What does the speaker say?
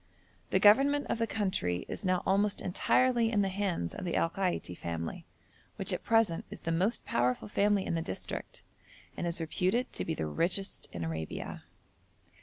The government of the country is now almost entirely in the hands of the Al Kaiti family, which at present is the most powerful family in the district, and is reputed to be the richest in Arabia.